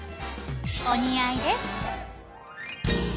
［お似合いです］